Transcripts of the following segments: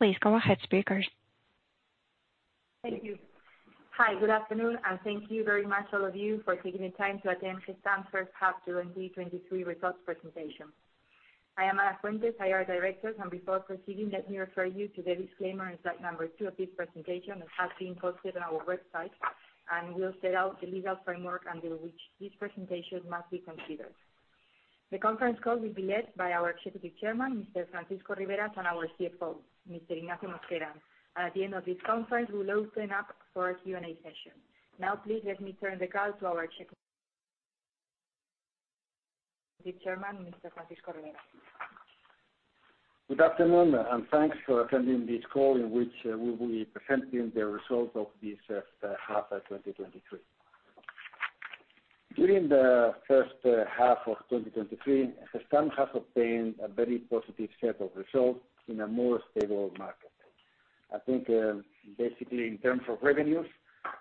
Please go ahead, speakers. Thank you. Hi, good afternoon, thank you very much all of you for taking the time to attend Gestamp's first half during 2023 results presentation. I am Ana Fuentes, IR Director. Before proceeding, let me refer you to the disclaimer on slide two of this presentation, that has been posted on our website, will set out the legal framework under which this presentation must be considered. The conference call will be led by our Executive Chairman, Mr. Francisco Riberas, and our CFO, Mr. Ignacio Mosquera. At the end of this conference, we will open up for a Q&A session. Please let me turn the call to our Chairman, Mr. Francisco Riberas. Good afternoon. Thanks for attending this call, in which we will be presenting the results of this half of 2023. During the first half of 2023, Gestamp has obtained a very positive set of results in a more stable market. I think, basically, in terms of revenues,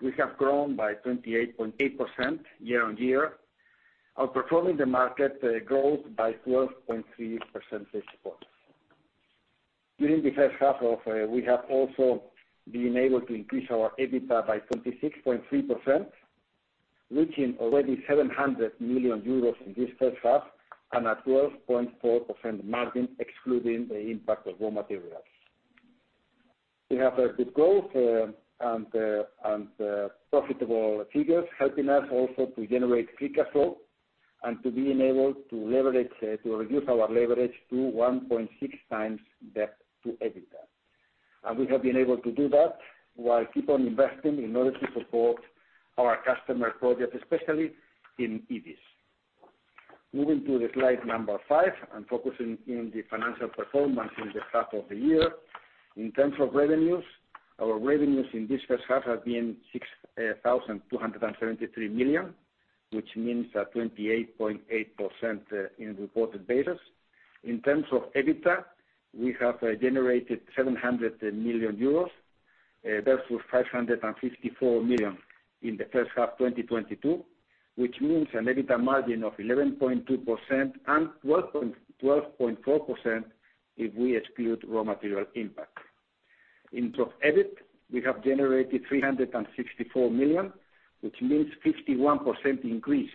we have grown by 28.8% year-on-year, outperforming the market growth by 12.3 percentage points. We have also been able to increase our EBITDA by 26.3%, reaching already 700 million euros in this first half, and at 12.4% margin, excluding the impact of raw materials. We have a good growth, and profitable figures, helping us also to generate free cash flow and to be enabled to leverage, to reduce our leverage to 1.6x debt to EBITDA. We have been able to do that while keep on investing in order to support our customer projects, especially in EVs. Moving to the slide number five, and focusing in the financial performance in the half of the year. In terms of revenues, our revenues in this first half have been 6,273 million, which means that 28.8%, in reported basis. In terms of EBITDA, we have generated 700 million euros versus 554 million in first half 2022, which means an EBITDA margin of 11.2% and 12.4% if we exclude raw material impact. In terms of EBIT, we have generated 364 million, which means 51% increase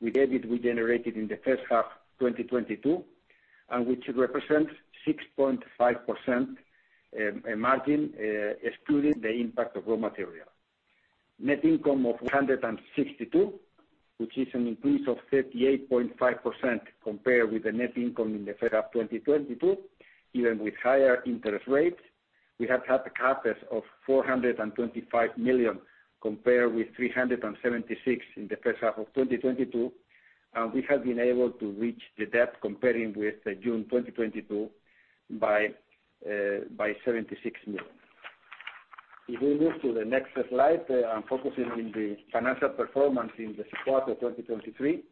with EBIT we generated in first half 2022. Which represents 6.5% margin excluding the impact of raw material. Net income of 162 million, which is an increase of 38.5% compared with the net income in first half 2022. Even with higher interest rates, we have had the CapEx of 425 million, compared with 376 million in the first half of 2022, and we have been able to reach the debt comparing with the June 2022 by 76 million. If we move to the next slide, I'm focusing in the financial performance in this quarter, 2023.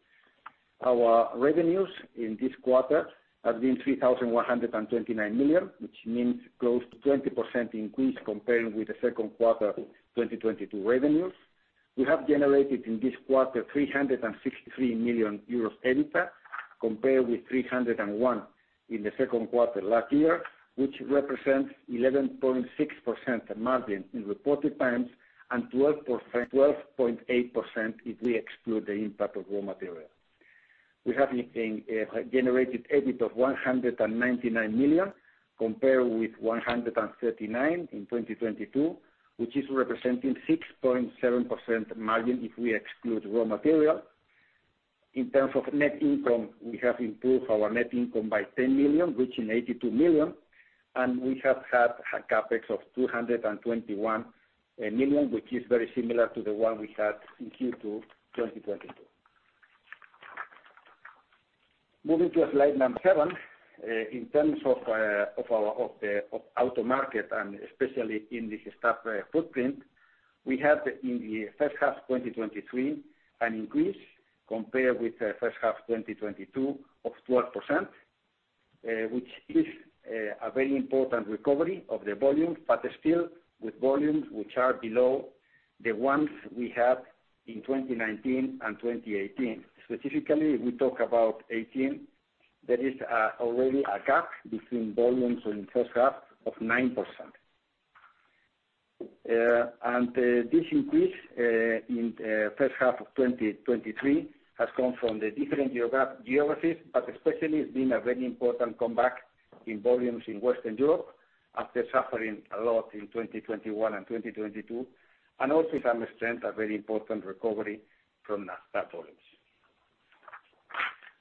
Our revenues in this quarter have been 3,129 million, which means close to 20% increase compared with the second quarter 2022 revenues. We have generated in this quarter, 363 million euros EBITDA, compared with 301 million in the second quarter last year, which represents 11.6% margin in reported times, and 12.8% if we exclude the impact of raw material. We have generated EBIT of 199 million, compared with 139 million in 2022, which is representing 6.7% margin if we exclude raw material. In terms of net income, we have improved our net income by 10 million, reaching 82 million, and we have had a CapEx of 221 million, which is very similar to the one we had in Q2 2022. Moving to slide number seven. In terms of our, of the, of auto market and especially in the Gestamp footprint, we had in first half 2023 an increase compared with first half 2022 of 12%, which is a very important recovery of the volume, but still with volumes which are below the ones we had in 2019 and 2018. Specifically, if we talk about 18, there is already a gap between volumes in first half of 9%. This increase in first half of 2023 has come from the different geographies, but especially it's been a very important comeback in volumes in Western Europe after suffering a lot in 2021 and 2022, also some strength, a very important recovery from North America.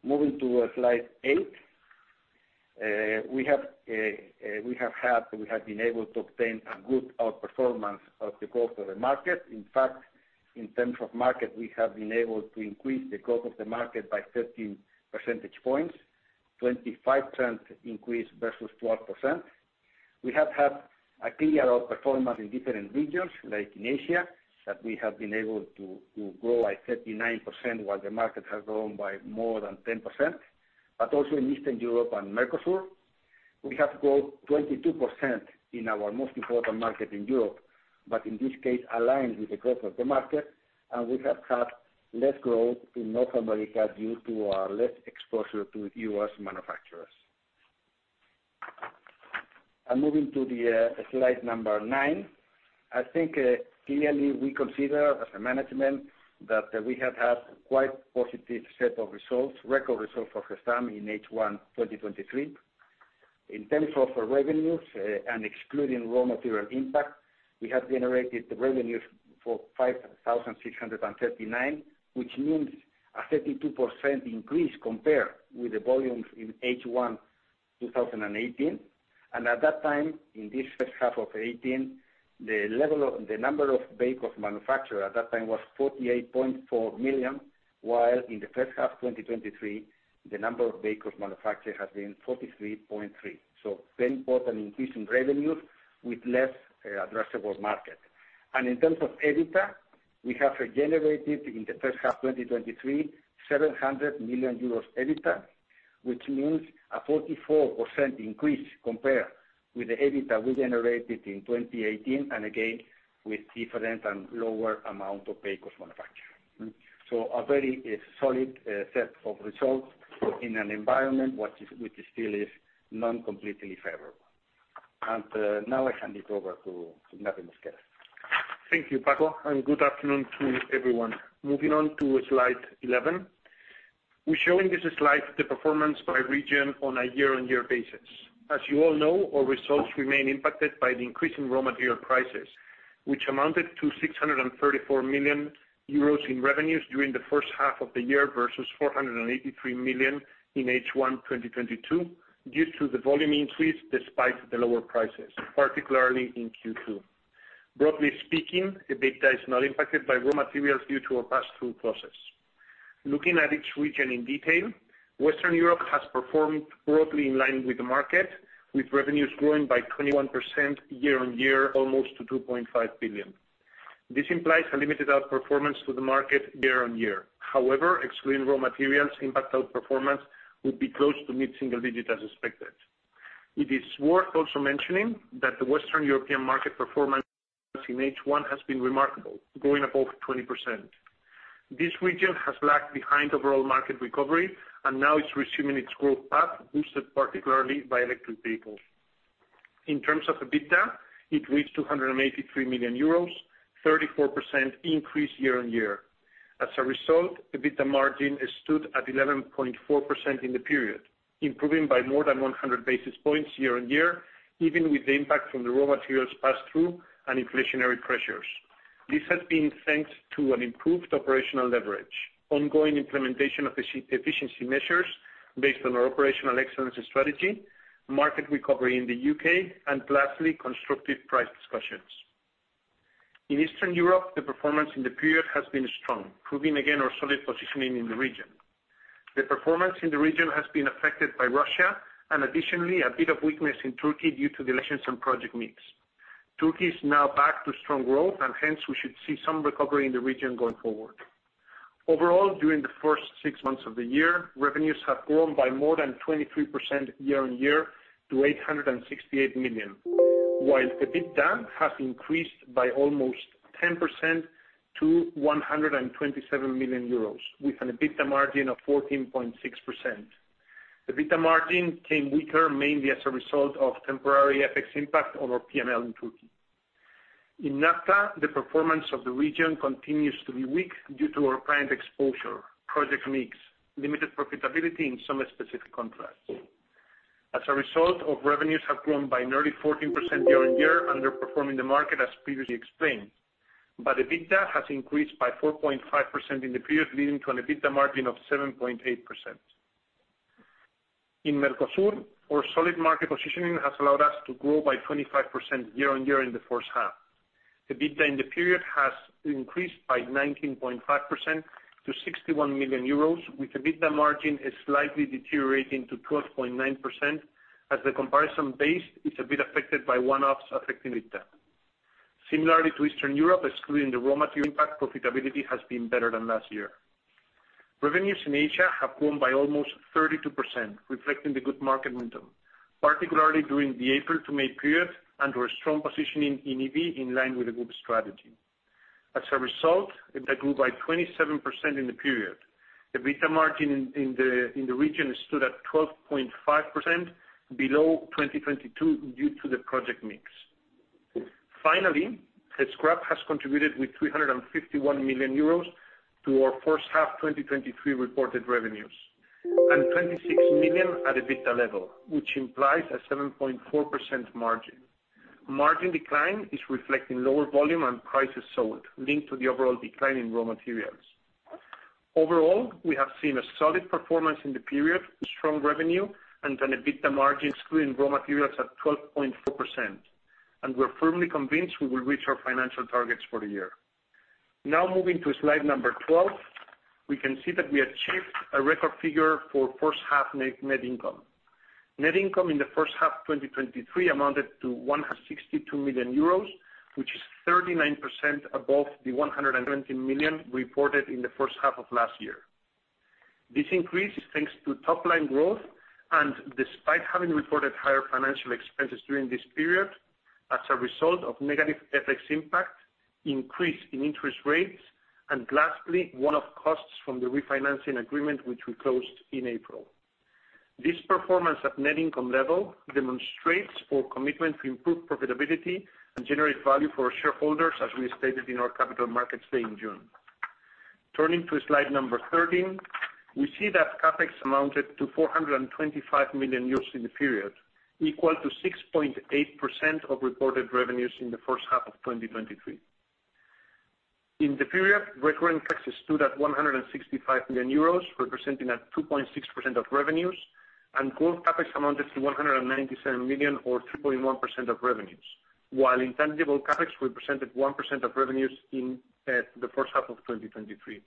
Moving to slide 8. We have been able to obtain a good outperformance of the growth of the market. In fact, in terms of market, we have been able to increase the growth of the market by 13 percentage points, 25% increase versus 12%. We have had a clear outperformance in different regions, like in Asia, that we have been able to grow by 39%, while the market has grown by more than 10%. Also in Eastern Europe and Mercosur, we have grown 22% in our most important market in Europe, but in this case, aligned with the growth of the market, and we have had less growth in North America due to our less exposure to U.S. manufacturers. Moving to the slide number nine, I think, clearly we consider as a management that we have had quite positive set of results, record results for Gestamp in first half 2023. In terms of our revenues, and excluding raw material impact, we have generated revenues for 5,639, which means a 32% increase compared with the volumes in first half 2018. At that time, in this first half of 2018, the number of vehicles manufactured at that time was 48.4 million, while in the first half 2023, the number of vehicles manufactured has been 43.3 million. Very important increase in revenues with less addressable market. In terms of EBITDA, we have generated in the first half 2023, 700 million euros EBITDA, which means a 44% increase compared with the EBITDA we generated in 2018, and again, with different and lower amount of vehicles manufactured. A very, solid, set of results in an environment which is, which still is non-completely favorable. Now I hand it over to Ignacio Mosquera. Thank you, Francisco. Good afternoon to everyone. Moving on to slide 11. We show in this slide the performance by region on a year-on-year basis. As you all know, our results remain impacted by the increase in raw material prices, which amounted to 634 million euros in revenues during the first half of the year, versus 483 million in first half 2022, due to the volume increase despite the lower prices, particularly in Q2. Broadly speaking, EBITDA is not impacted by raw materials due to our pass-through process. Looking at each region in detail, Western Europe has performed broadly in line with the market, with revenues growing by 21% year-on-year, almost to 2.5 billion. This implies a limited outperformance to the market year-on-year. Excluding raw materials, impact outperformance would be close to mid-single-digit, as expected. It is worth also mentioning that the Western European market performance in first half has been remarkable, growing above 20%. This region has lagged behind overall market recovery, and now it's resuming its growth path, boosted particularly by electric vehicles. In terms of EBITDA, it reached 283 million euros, 34% increase year-on-year. As a result, EBITDA margin stood at 11.4% in the period, improving by more than 100 basis points year-on-year, even with the impact from the raw materials pass-through and inflationary pressures. This has been thanks to an improved operational leverage, ongoing implementation of efficiency measures based on our operational excellence strategy, market recovery in the UK, and lastly, constructive price discussions. In Eastern Europe, the performance in the period has been strong, proving again our solid positioning in the region. The performance in the region has been affected by Russia, and additionally, a bit of weakness in Turkey due to the lessons and project mix. Turkey is now back to strong growth, and hence, we should see some recovery in the region going forward. Overall, during the first six months of the year, revenues have grown by more than 23% year-on-year to 868 million, while EBITDA has increased by almost 10% to 127 million euros, with an EBITDA margin of 14.6%. EBITDA margin came weaker, mainly as a result of temporary FX impact on our P&L in Turkey. In NAFTA, the performance of the region continues to be weak due to our client exposure, project mix, limited profitability in some specific contracts. As a result, our revenues have grown by nearly 14% year-on-year, underperforming the market, as previously explained. EBITDA has increased by 4.5% in the period, leading to an EBITDA margin of 7.8%. In Mercosur, our solid market positioning has allowed us to grow by 25% year-on-year in the first half. EBITDA in the period has increased by 19.5% to 61 million euros, with EBITDA margin is slightly deteriorating to 12.9%, as the comparison base is a bit affected by one-offs affecting EBITDA. Similarly to Eastern Europe, excluding the raw material impact, profitability has been better than last year. Revenues in Asia have grown by almost 32%, reflecting the good market window, particularly during the April to May period, and our strong positioning in EV in line with the group strategy. As a result, EBITDA grew by 27% in the period. EBITDA margin in the region stood at 12.5%, below 2022 due to the project mix. Finally, the scrap has contributed with 351 million euros to our first half 2023 reported revenues, and 26 million at EBITDA level, which implies a 7.4% margin. Margin decline is reflecting lower volume and prices sold, linked to the overall decline in raw materials. Overall, we have seen a solid performance in the period, with strong revenue and an EBITDA margin excluding raw materials at 12.4%. We're firmly convinced we will reach our financial targets for the year. Moving to slide number 12, we can see that we achieved a record figure for first half net income. Net income in the first half 2023 amounted to 162 million euros, which is 39% above the 119 million reported in the first half of last year. This increase is thanks to top-line growth, despite having reported higher financial expenses during this period, as a result of negative FX impact, increase in interest rates, and lastly, one-off costs from the refinancing agreement which we closed in April. This performance at net income level demonstrates our commitment to improve profitability and generate value for our shareholders, as we stated in our Capital Markets Day in June. Turning to slide number 13, we see that CapEx amounted to 425 million euros in the period, equal to 6.8% of reported revenues in the first half 2023. In the period, recurring CapEx stood at 165 million euros, representing at 2.6% of revenues, and growth CapEx amounted to 197 million or 3.1% of revenues, while intangible CapEx represented 1% of revenues in the first half 2023.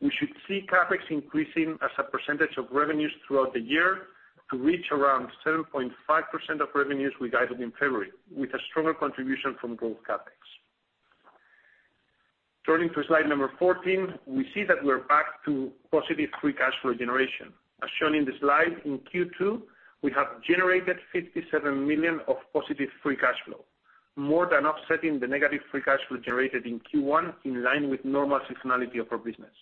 We should see CapEx increasing as a percentage of revenues throughout the year to reach around 7.5% of revenues we guided in February, with a stronger contribution from growth CapEx. Turning to slide number 14, we see that we're back to positive free cash flow generation. As shown in the slide, in Q2, we have generated 57 million of positive free cash flow, more than offsetting the negative free cash flow generated in Q1, in line with normal seasonality of our business.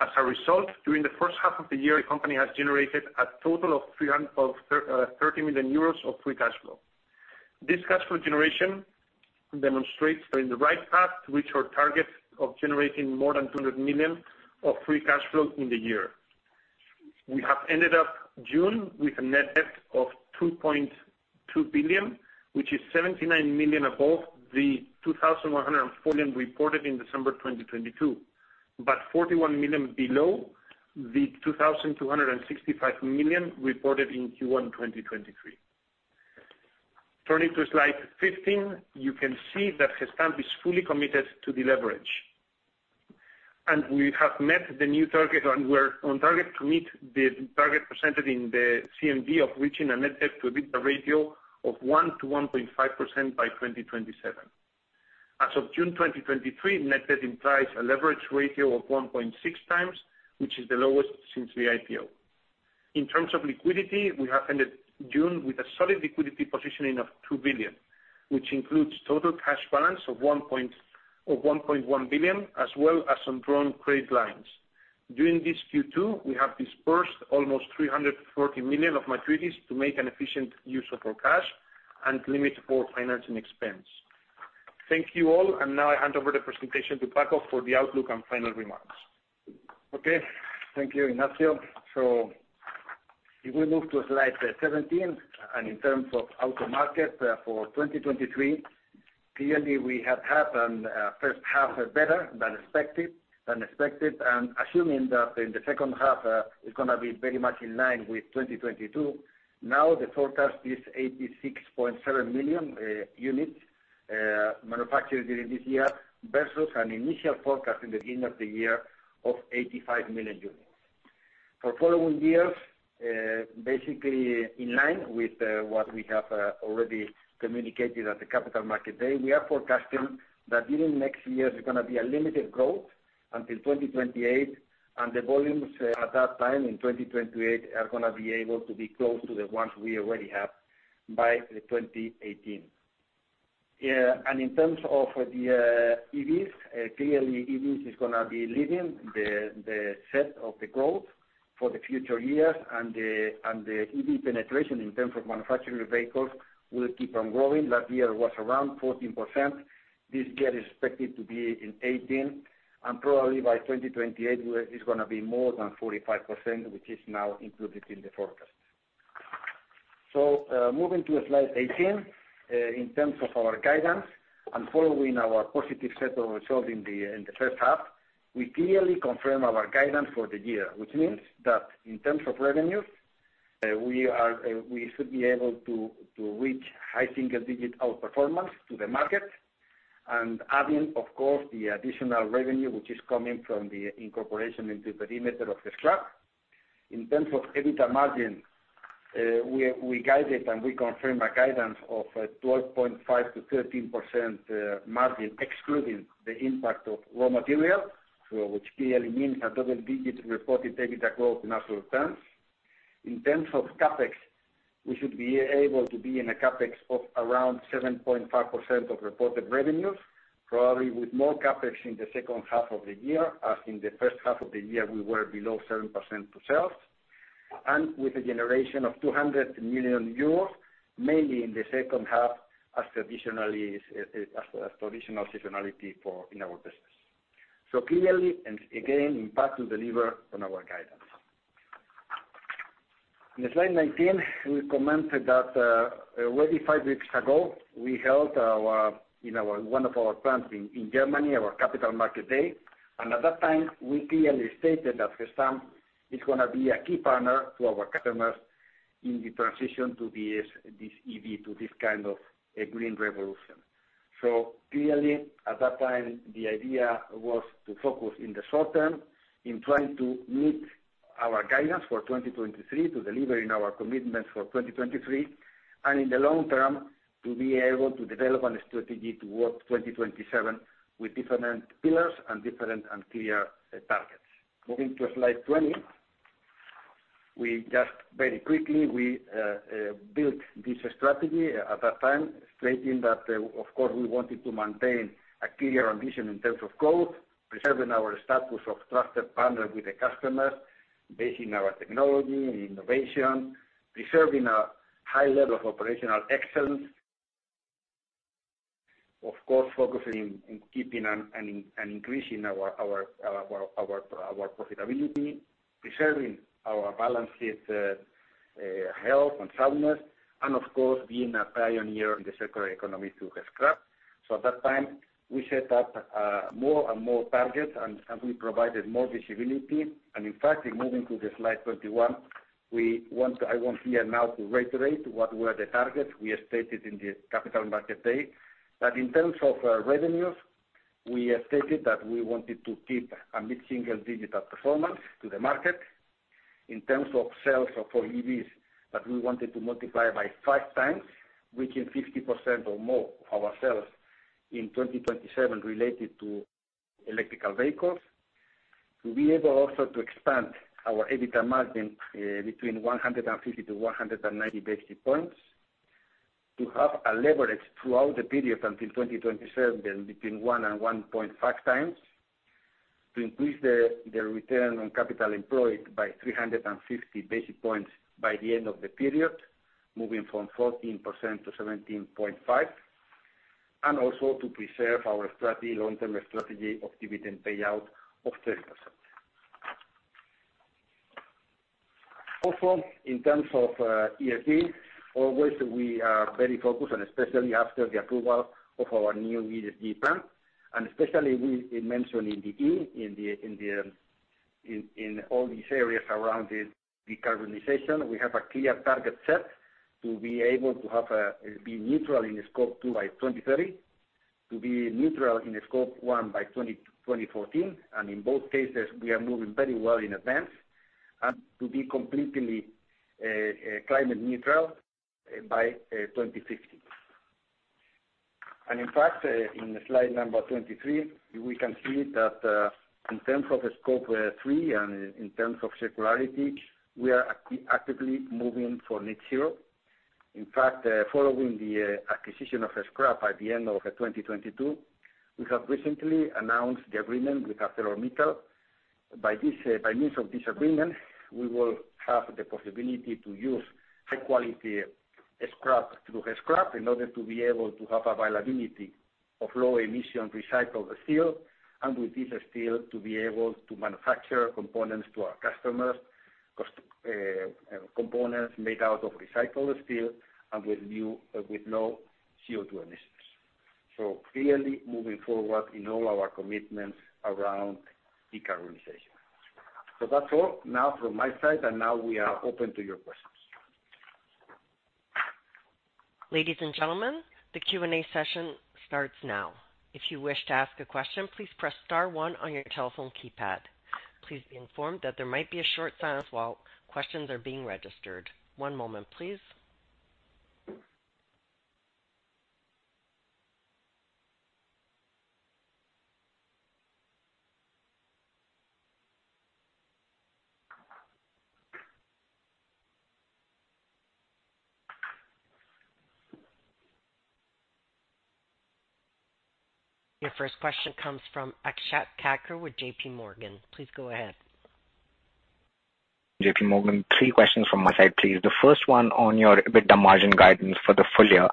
As a result, during the first half of the year, the company has generated a total of 30 million euros of free cash flow. This cash flow generation demonstrates we're in the right path to reach our targets of generating more than 200 million of free cash flow in the year. We have ended up June with a net debt of 2.2 billion, which is 79 million above the 2,140 million reported in December 2022, but 41 million below the 2,265 million reported in Q1 2023. Turning to slide 15, you can see that Gestamp is fully committed to the leverage. We have met the new target, and we're on target to meet the target presented in the CMD of reaching a net debt to EBITDA ratio of 1%-1.5% by 2027. As of June 2023, net debt implies a leverage ratio of 1.6x, which is the lowest since the IPO. In terms of liquidity, we have ended June with a solid liquidity positioning of 2 billion, which includes total cash balance of 1.1 billion, as well as undrawn credit lines. During this Q2, we have dispersed almost 340 million of maturities to make an efficient use of our cash and limit our financing expense. Thank you all. Now I hand over the presentation to Francisco for the outlook and final remarks. Okay. Thank you, Ignacio. If we move to slide 17, in terms of auto market for 2023, clearly we have had a first half better than expected, assuming that in the second half it's gonna be very much in line with 2022, now the forecast is 86.7 million units manufactured during this year, versus an initial forecast in the beginning of the year of 85 million units. For following years, basically in line with what we have already communicated at the Capital Markets Day, we are forecasting that during next year, there's gonna be a limited growth until 2028, the volumes at that time in 2028, are gonna be able to be close to the ones we already have by 2018. In terms of the EVs, clearly, EVs is gonna be leading the set of the growth for the future years and the EV penetration in terms of manufacturing vehicles will keep on growing. Last year was around 14%. This year is expected to be in 18%, and probably by 2028, where it's gonna be more than 45%, which is now included in the forecast. Moving to slide 18, in terms of our guidance, and following our positive set of results in the first half, we clearly confirm our guidance for the year, which means that in terms of revenues, we are, we should be able to reach high single digit outperformance to the market, and adding, of course, the additional revenue which is coming from the incorporation into perimeter of Gescrap. In terms of EBITDA margin, we guided and we confirm a guidance of 12.5%-13% margin, excluding the impact of raw material. Which clearly means a double-digit reported EBITDA growth in absolute terms. In terms of CapEx, we should be able to be in a CapEx of around 7.5% of reported revenues, probably with more CapEx in the second half of the year, as in the first half of the year, we were below 7% to sales. With a generation of 200 million euros, mainly in the second half, as traditionally, as traditional seasonality for in our business. Clearly, and again, in fact, we deliver on our guidance. In slide 19, we commented that already five weeks ago, we held our one of our plants in Germany, our Capital Markets Day. At that time, we clearly stated that Gestamp is gonna be a key partner to our customers in the transition to this EV, to this kind of a green revolution. Clearly, at that time, the idea was to focus in the short term, in trying to meet our guidance for 2023 to deliver in our commitment for 2023, and in the long term, to be able to develop on a strategy toward 2027, with different pillars and different and clear targets. Moving to slide 20. We just very quickly, we built this strategy at that time, stating that, of course, we wanted to maintain a clear ambition in terms of growth, preserving our status of trusted partner with the customers, basing our technology and innovation, preserving a high level of operational excellence. Of course, focusing in keeping and increasing our profitability, preserving our balanced health and soundness, and of course, being a pioneer in the circular economy through Gescrap. At that time, we set up more and more targets, and we provided more visibility. In fact, in moving to the slide 21, I want here now to reiterate what were the targets we stated in the Capital Markets Day. In terms of revenues, we have stated that we wanted to keep a mid-single-digit performance to the market. In terms of sales for EVs, that we wanted to multiply by 5x, reaching 50% or more of our sales in 2027 related to electrical vehicles. To be able also to expand our EBITDA margin between 150-190 basis points. To have a leverage throughout the period until 2027, between 1x and 1.5x. To increase the return on capital employed by 350 basis points by the end of the period, moving from 14% to 17.5%, and also to preserve our strategy, long-term strategy of dividend payout of 30%. In terms of ESG, always we are very focused and especially after the approval of our new ESG plan, and especially it mentioned in all these areas around the decarbonization, we have a clear target set to be able to have be neutral in Scope 2 by 2030, to be neutral in the Scope 1 by 2034, and in both cases, we are moving very well in advance and to be completely climate neutral by 2050. In fact, in slide number 23, we can see that, in terms of the Scope 3 and in terms of circularity, we are actively moving for net zero. In fact, following the acquisition of Gescrap at the end of 2022, we have recently announced the agreement with ArcelorMittal. By this, by means of this agreement, we will have the possibility to use high quality scrap through Gescrap in order to be able to have availability of low emission recycled steel, and with this steel, to be able to manufacture components to our customers, components made out of recycled steel and with low CO2 emissions. Clearly moving forward in all our commitments around decarbonization. That's all now from my side, and now we are open to your questions. Ladies and gentlemen, the Q&A session starts now. If you wish to ask a question, please press star one on your telephone keypad. Please be informed that there might be a short silence while questions are being registered. One moment, please. Your first question comes from Akshat Kakar with JPMorgan. Please go ahead. JPMorgan. Three questions from my side, please. The first one on your EBITDA margin guidance for the full year.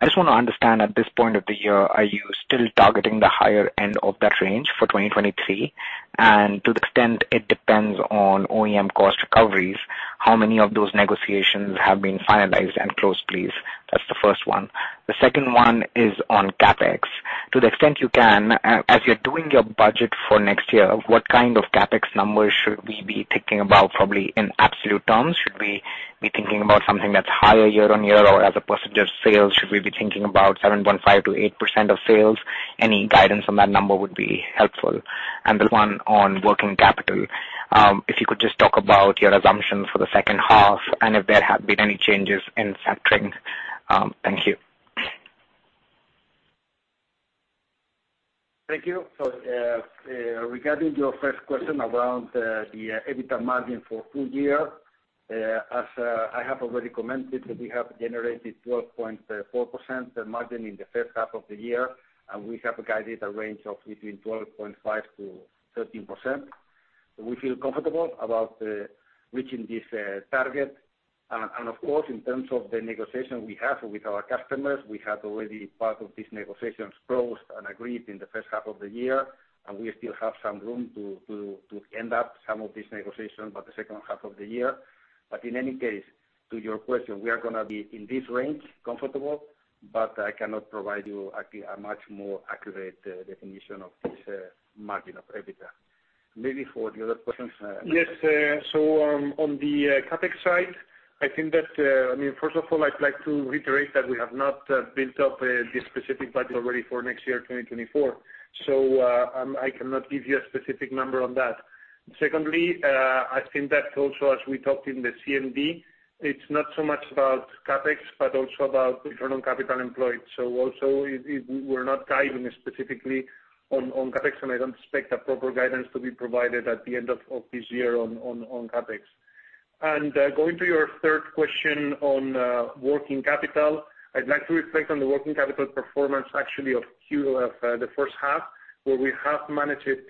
I just want to understand at this point of the year, are you still targeting the higher end of that range for 2023? To the extent it depends on OEM cost recoveries, how many of those negotiations have been finalized and closed, please? That's the first one. The second one is on CapEx. To the extent you can, as you're doing your budget for next year, what kind of CapEx numbers should we be thinking about, probably in absolute terms? Should we be thinking about something that's higher year-over-year, or as a percentage of sales, should we be thinking about 7.5%-8% of sales? Any guidance on that number would be helpful. The one on working capital, if you could just talk about your assumptions for the second half, and if there have been any changes in factoring. Thank you. Regarding your first question around the EBITDA margin for full year, as I have already commented, that we have generated 12.4% margin in the first half of the year, and we have guided a range of between 12.5%-13%. We feel comfortable about reaching this target. Of course, in terms of the negotiation we have with our customers, we have already part of these negotiations closed and agreed in the first half of the year, and we still have some room to end up some of these negotiations by the second half of the year. In any case, to your question, we are gonna be in this range, comfortable, but I cannot provide you a much more accurate definition of this margin of EBITDA. Maybe for the other questions, Yes, so On the CapEx side, I think that first of all, I'd like to reiterate that we have not built up the specific budget already for next year, 2024. I cannot give you a specific number on that. Secondly, I think that also as we talked in the CMD, it's not so much about CapEx, but also about return on capital employed. Also, we're not guiding specifically on CapEx, and I don't expect a proper guidance to be provided at the end of this year on CapEx. Going to your third question on working capital, I'd like to reflect on the working capital performance actually of Q2, the first half, where we have managed it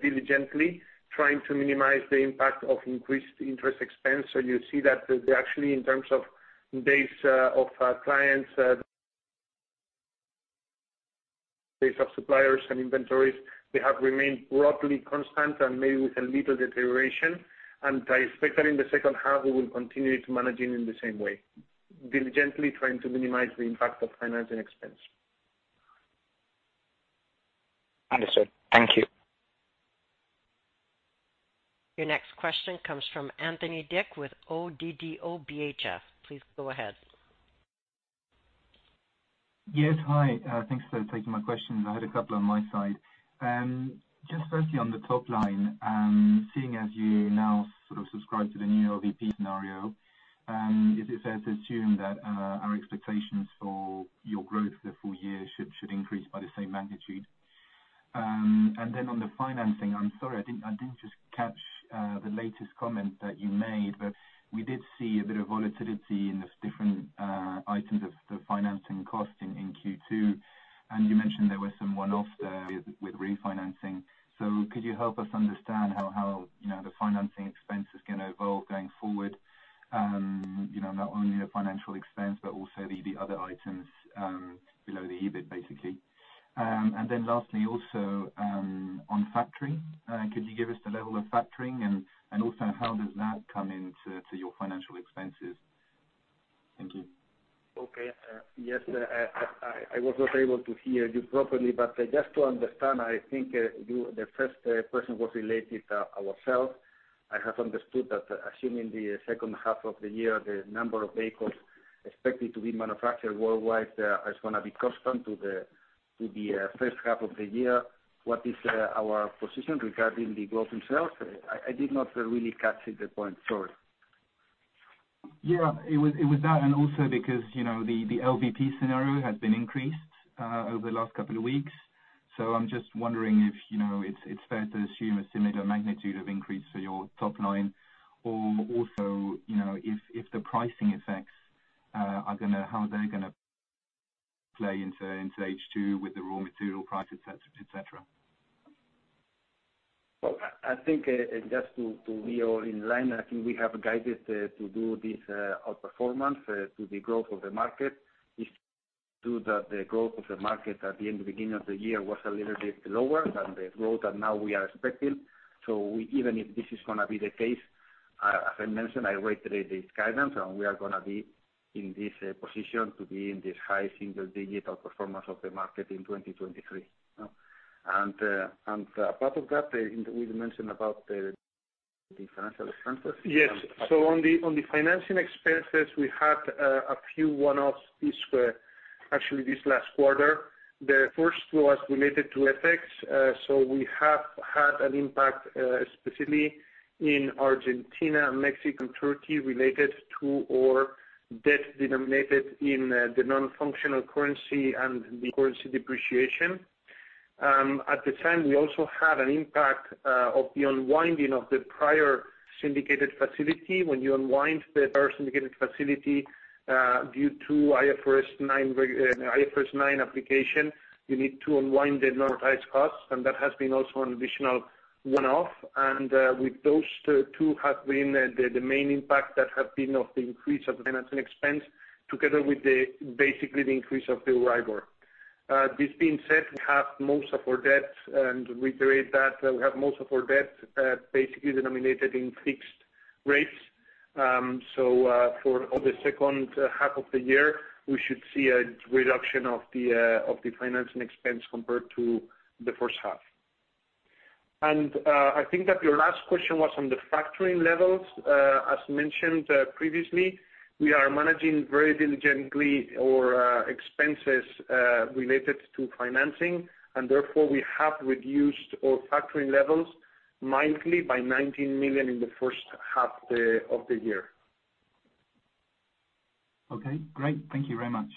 diligently, trying to minimize the impact of increased interest expense. You see that the actually, in terms of base, of clients, base of suppliers and inventories, they have remained roughly constant and maybe with a little deterioration. I expect that in the second half, we will continue to managing in the same way, diligently trying to minimize the impact of financing expense. Understood. Thank you. Your next question comes from Anthony with ODDO BHF. Please go ahead. Yes, hi. Thanks for taking my question. I had a couple on my side. Just firstly, on the top line, seeing as you now sort of subscribe to the new LVP scenario, is it fair to assume that our expectations for your growth for the full year should increase by the same magnitude? Then on the financing, I'm sorry, I didn't just catch the latest comment that you made, but we did see a bit of volatility in the different items of the financing cost in Q2. You mentioned there were some one-offs with refinancing. Could you help us understand how, you know, the financing expense is going to evolve going forward, you know, not only the financial expense, but also the other items below the EBIT, basically? Lastly, also, on factoring, could you give us the level of factoring, and also how does that come into your financial expenses? Thank you. Okay. Yes, I was not able to hear you properly. Just to understand, I think, the first question was related to ourselves. I have understood that assuming the second half of the year, the number of vehicles expected to be manufactured worldwide, is gonna be constant to the first half of the year. What is our position regarding the growth in sales? I did not really catch the point. Sorry. It was that, and also because, you know, the LVP scenario has been increased over the last couple of weeks. I'm just wondering if, you know, it's fair to assume a similar magnitude of increase for your top line, or also, you know, if the pricing effects, how are they gonna play into second half with the raw material price, et cetera, et cetera? Well, I think, just to be all in line, I think we have guided to do this outperformance to the growth of the market. It's true that the growth of the market at the end, beginning of the year was a little bit lower than the growth that now we are expecting. Even if this is gonna be the case, as I mentioned, I reiterate this guidance, and we are gonna be in this position to be in this high single digital performance of the market in 2023. Apart of that, you mentioned about the financial expenses? Yes. On the financing expenses, we had actually a few one-offs this last quarter. The first was related to FX. We have had an impact specifically in Argentina, Mexico, and Turkey, related to our debt denominated in the non-functional currency and the currency depreciation. At the time, we also had an impact of the unwinding of the prior syndicated facility. When you unwind the prior syndicated facility, due to IFRS 9 application, you need to unwind the non-price costs, and that has been also an additional one-off. With those two have been the main impact that have been of the increase of the financing expense, together with basically the increase of the IBOR. This being said, we have most of our debts, and reiterate that, we have most of our debts, basically denominated in fixed rates. For the second half of the year, we should see a reduction of the financing expense compared to the first half. I think that your last question was on the factoring levels. As mentioned previously, we are managing very diligently our expenses related to financing, and therefore we have reduced our factoring levels monthly by 19 million in the first half of the year. Okay, great. Thank you very much.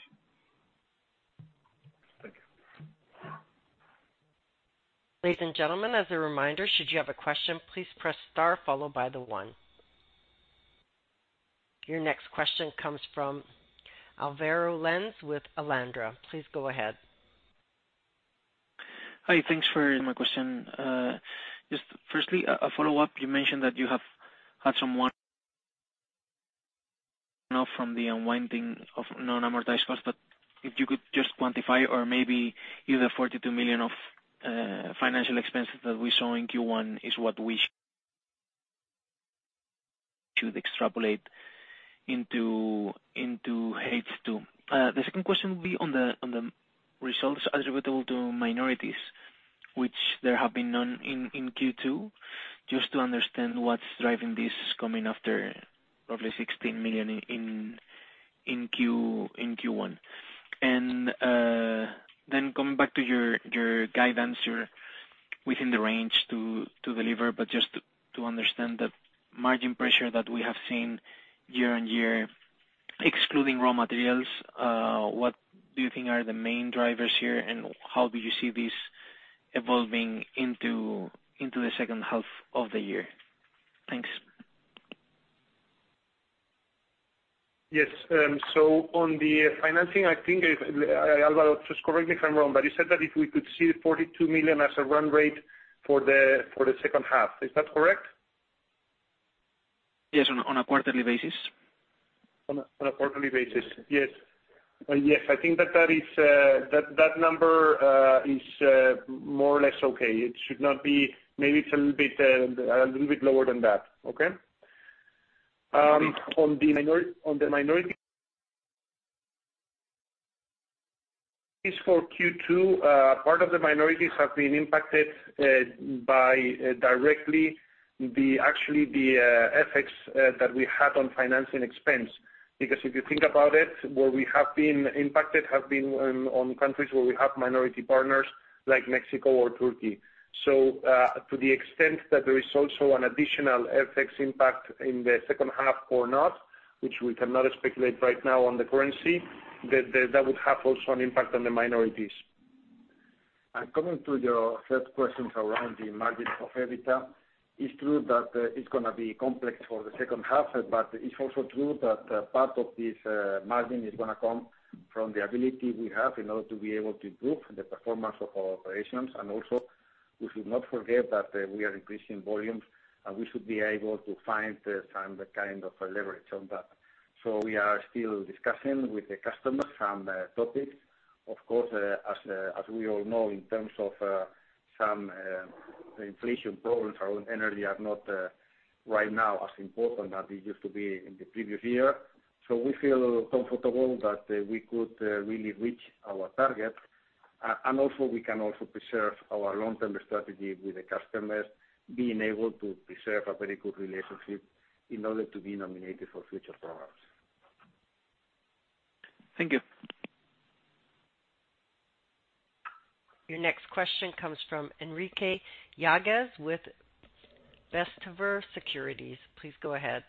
Thank you. Ladies and gentlemen, as a reminder, should you have a question, please press star followed by the one. Your next question comes from Alvaro Lenze with Alantra. Please go ahead. Hi, thanks for my question. Just firstly, a follow-up, you mentioned that you have had some one-off from the unwinding of non-amortized costs, but if you could just quantify or maybe is the 42 million of financial expenses that we saw in Q1 is what we should extrapolate into second half? The second question will be on the results attributable to minorities, which there have been none in Q2. Just to understand what's driving this coming after roughly 16 million in Q1. Coming back to your guidance, within the range to deliver, but just to understand the margin pressure that we have seen year-on-year, excluding raw materials, what do you think are the main drivers here, and how do you see this evolving into the second half of the year? Thanks. Yes. on the financing, I think if, Alvaro, just correct me if I'm wrong, but you said that if we could see the 42 million as a run rate for the second half, is that correct? Yes, on a quarterly basis. On a quarterly basis. Yes. Yes, I think that that is that number is more or less okay. It should not be. Maybe it's a little bit a little bit lower than that. Okay. On the minorities for Q2, part of the minorities have been impacted by directly the actually the effects that we had on financing expense. If you think about it, where we have been impacted have been on countries where we have minority partners, like Mexico or Turkey. To the extent that there is also an additional FX impact in the second half or not, which we cannot speculate right now on the currency, that would have also an impact on the minorities. Coming to your first questions around the margin of EBITDA, it's true that it's gonna be complex for the second half, but it's also true that part of this margin is gonna come from the ability we have in order to be able to improve the performance of our operations. Also, we should not forget that we are increasing volumes, and we should be able to find some kind of a leverage on that. We are still discussing with the customers some topics. Of course, as we all know, in terms of some inflation problems around energy are not right now as important as it used to be in the previous year. We feel comfortable that we could really reach our target. Also, we can also preserve our long-term strategy with the customers, being able to preserve a very good relationship in order to be nominated for future programs. Thank you. Your next question comes from Enrique Yáguez with Bestinver Securities. Please go ahead.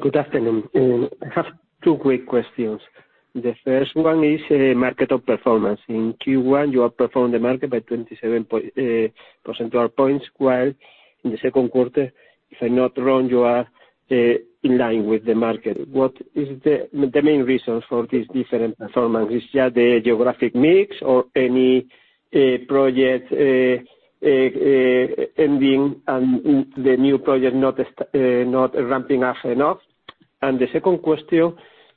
Good afternoon. I have two quick questions. The first one is market outperformance. In Q1, you outperformed the market by 27 percentage points, while in the second quarter, if I'm not wrong, you are in line with the market. What is the main reasons for this different performance? Is it just the geographic mix or any project ending and the new project not ramping up enough? The second question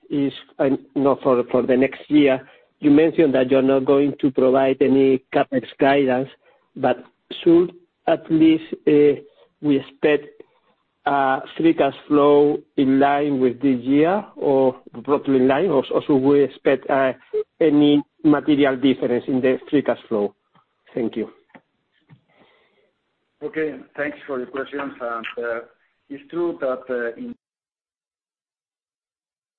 is, you know, for the next year, you mentioned that you're not going to provide any CapEx guidance, but should at least we expect free cash flow in line with this year or roughly in line, or should we expect any material difference in the free cash flow? Thank you. Okay. Thanks for your questions. It's true that in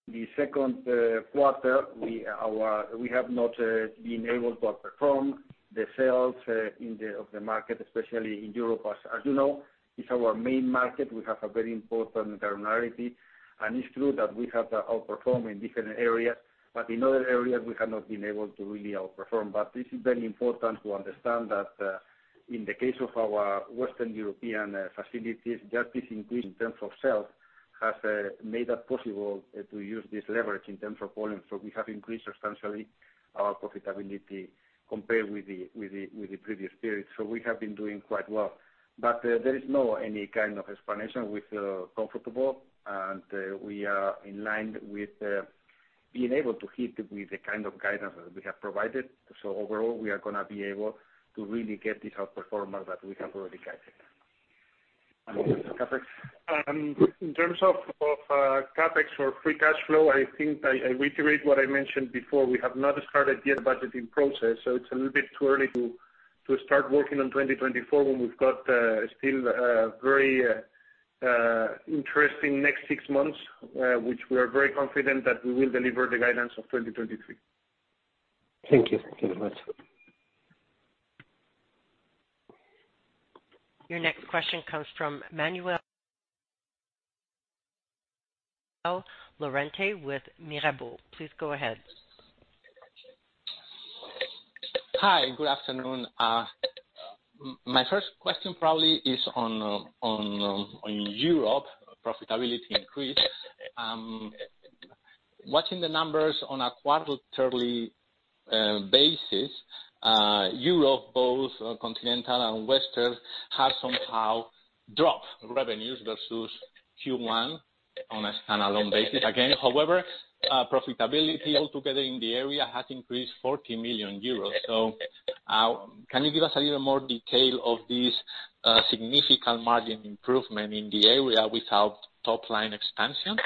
the second quarter, we have not been able to outperform the sales of the market, especially in Europe. As you know, it's our main market. We have a very important minority, and it's true that we have outperformed in different areas, but in other areas we have not been able to really outperform. This is very important to understand that in the case of our Western European facilities, that this increase in terms of sales has made up possible to use this leverage in terms of volume. We have increased substantially our profitability compared with the previous period. We have been doing quite well. There is no any kind of explanation. We feel comfortable, and, we are in line with, being able to hit with the kind of guidance that we have provided. Overall, we are gonna be able to really get this outperformance that we have already guided. CapEx? In terms of CapEx or free cash flow, I reiterate what I mentioned before. We have not started yet budgeting process. It's a little bit too early to start working on 2024 when we've got still very interesting next six months, which we are very confident that we will deliver the guidance of 2023. Thank you. Thank you very much. Your next question comes from Manuel Lorente with Mirabaud. Please go ahead. Hi, good afternoon. My first question probably is on Europe profitability increase. Watching the numbers on a quarterly basis, Europe, both continental and Western, have somehow dropped revenues versus Q1 on a standalone basis again. However, profitability altogether in the area has increased 40 million euros. Can you give us a little more detail of this significant margin improvement in the area without top line expansion?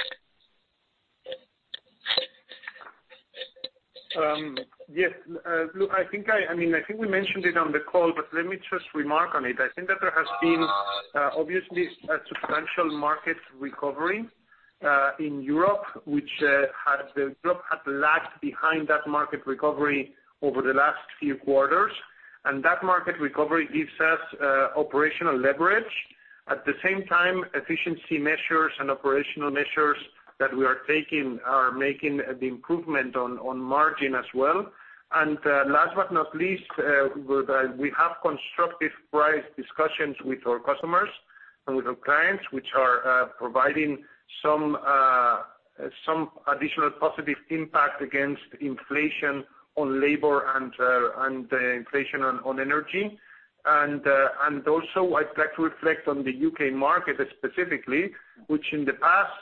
Yes, look, I mean, I think we mentioned it on the call, but let me just remark on it. I think that there has been, obviously, a substantial market recovery in Europe, which has Europe had lagged behind that market recovery over the last few quarters. That market recovery gives us operational leverage. At the same time, efficiency measures and operational measures that we are taking are making the improvement on margin as well. Last but not least, we have constructive price discussions with our customers and with our clients, which are providing some additional positive impact against inflation on labor and inflation on energy. Also, I'd like to reflect on the UK market specifically, which in the past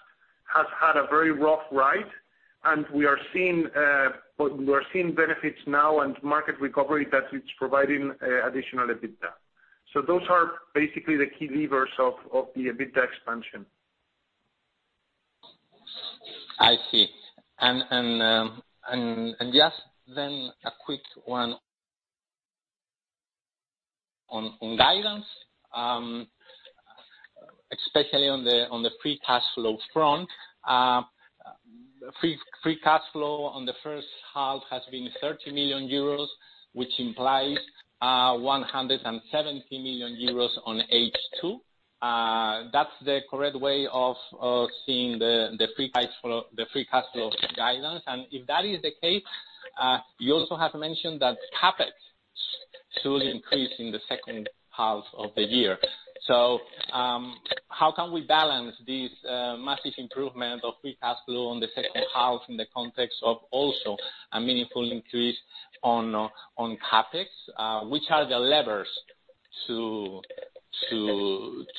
has had a very rough ride, and we are seeing, we are seeing benefits now and market recovery that it's providing, additional EBITDA. Those are basically the key levers of the EBITDA expansion. I see. Just then a quick one on guidance, especially on the free cash flow front. Cash flow on the first half has been 30 million euros, which implies 170 million euros on second half. That's the correct way of seeing the free cash flow, the free cash flow guidance. If that is the case, you also have mentioned that CapEx should increase in the second half of the year. How can we balance this massive improvement of free cash flow on the second half in the context of also a meaningful increase on CapEx? Which are the levers to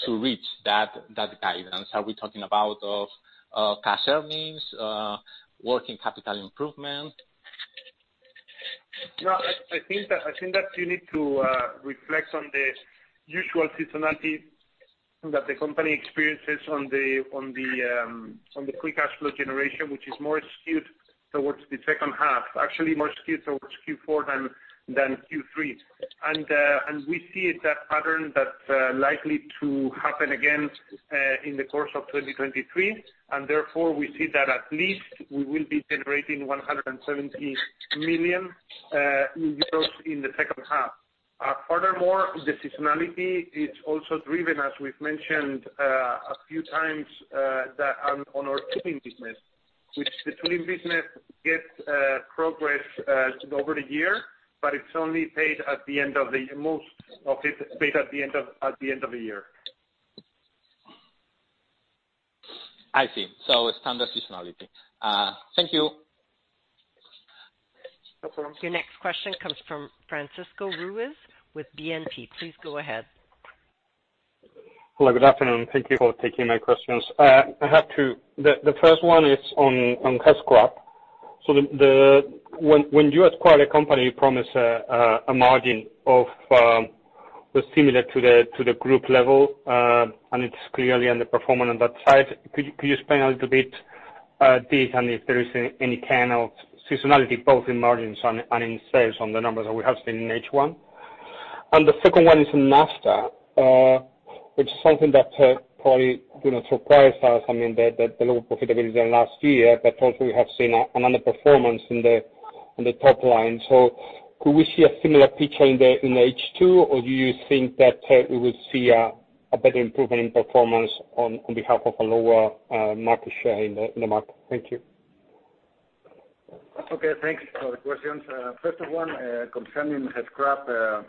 reach that guidance? Are we talking about cash earnings, working capital improvement? I think that you need to reflect on the usual seasonality that the company experiences on the quick cash flow generation, which is more skewed towards the second half, actually more skewed towards Q4 than Q3. We see that pattern that likely to happen again in the course of 2023, and therefore, we see that at least we will be generating 170 million euros in the second half. Furthermore, the seasonality is also driven, as we've mentioned a few times, that on our tooling business. The tooling business gets progress over the year, but it's only paid at the end of the year, most of it paid at the end of the year. I see. Standard seasonality. Thank you. No problem. Your next question comes from Francisco Ruiz with BNP. Please go ahead. Hello, good afternoon. Thank you for taking my questions. I have two. The first one is on Gescrap. When you acquire a company, you promise a margin of similar to the group level, and it's clearly on the performance on that side. Could you explain a little bit this, and if there is any kind of seasonality, both in margins and in sales on the numbers that we have seen in first half? The second one is in NAFTA, which is something that probably, you know, surprises us. I mean, the low profitability than last year, but also we have seen another performance in the top line. Could we see a similar picture in the second half? Do you think that we will see a better improvement in performance on behalf of a lower market share in the market? Thank you. Okay, thanks for the questions. first of one, concerning Gescrap,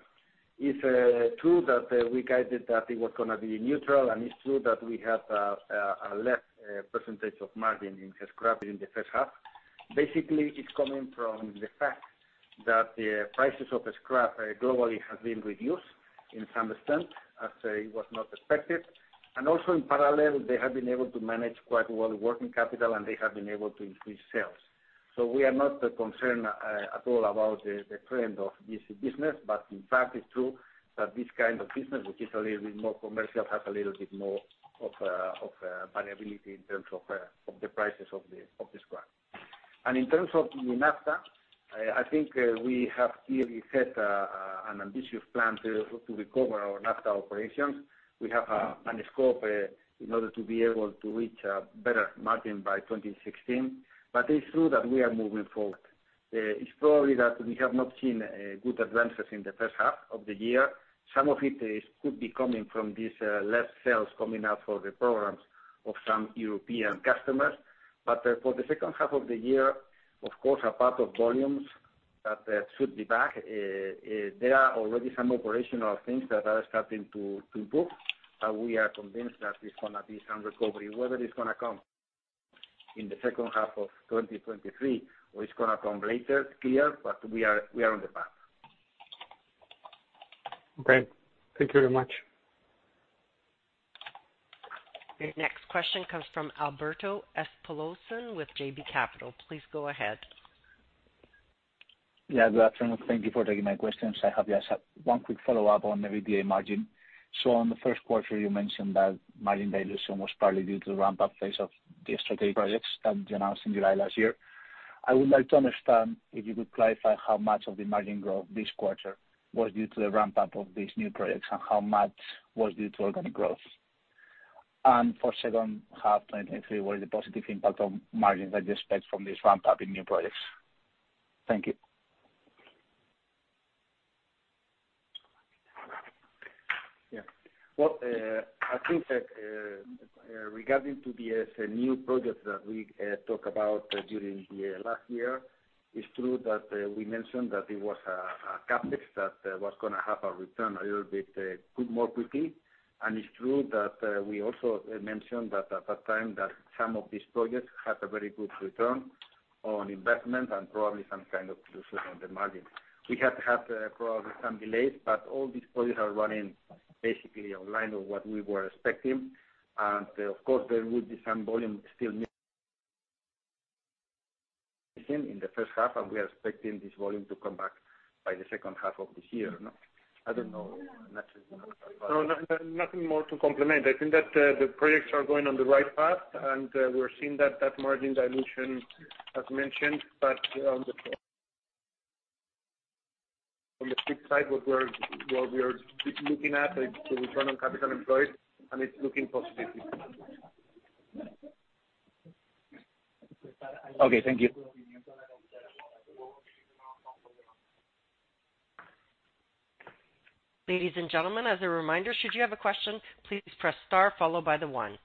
it's true that we guided that it was gonna be neutral, and it's true that we have a less percentage of margin in Gescrap in the first half. Basically, it's coming from the fact that the prices of the scrap globally have been reduced in some extent, as was not expected. Also, in parallel, they have been able to manage quite well working capital, and they have been able to increase sales. We are not concerned at all about the trend of this business, but in fact, it's true that this kind of business, which is a little bit more commercial, has a little bit more of variability in terms of the prices of the scrap. In terms of NAFTA, I think we have clearly set an ambitious plan to recover our NAFTA operations. We have an scope in order to be able to reach a better margin by 2026. It's true that we are moving forward. It's probably that we have not seen good advances in the first half of the year. Some of it could be coming from this less sales coming out for the programs of some European customers. For the second half of the year, of course, apart of volumes, that should be back, there are already some operational things that are starting to improve, and we are convinced that it's gonna be some recovery. Whether it's gonna come in the second half of 2023 or it's gonna come later, clear, but we are on the path. Okay, thank you very much. Your next question comes from Alberto Espelosín with JB Capital. Please go ahead. Yeah, good afternoon. Thank you for taking my questions. I have just one quick follow-up on the EBITDA margin. On the first quarter, you mentioned that margin dilution was partly due to the ramp up phase of the strategic projects that you announced in July last year. I would like to understand if you could clarify how much of the margin growth this quarter was due to the ramp up of these new projects, and how much was due to organic growth? For second half 2023, what is the positive impact on margins that you expect from this ramp up in new projects? Thank you. Well, I think that regarding to the new projects that we talk about during the last year, it's true that we mentioned that it was a CapEx that was gonna have a return a little bit good more quickly. it's true that we also mentioned that at that time, that some of these projects had a very good return on investment and probably some kind of dilution on the margin. We have had probably some delays, but all these projects are running basically online or what we were expecting. Of course, there will be some volume still missing in the first half, and we are expecting this volume to come back by the second half of the year. I don't know, naturally. Nothing more to complement. I think that, the projects are going on the right path, and, we're seeing that margin dilution, as mentioned, but on the strict side, what we are looking at is the return on capital employed, and it's looking positively. Okay, thank you. Ladies and gentlemen, as a reminder, should you have a question, please press star followed by the one.